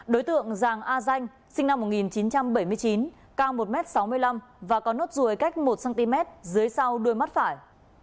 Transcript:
đối tượng giàng a danh sinh năm một nghìn chín trăm bảy mươi chín cao một m sáu mươi năm và có nốt ruồi cách một cm dưới sau đuôi mắt phải